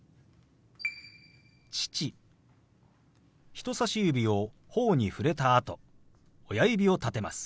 人さし指をほおに触れたあと親指を立てます。